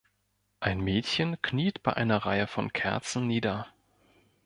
Ein Mädchen kniet bei einer Reihe von Kerzen nieder.